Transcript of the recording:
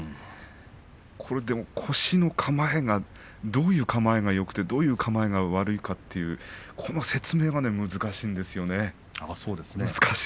でも腰の構えどういう構えがよくてどういう構えがよくないかこの説明は難しいですね。